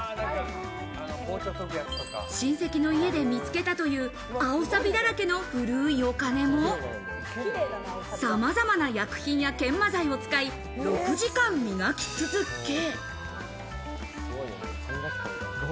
親戚の家で見つけたという、青錆だらけの古いお金もさまざまな薬品や研磨剤を使い、６時間に磨き続け。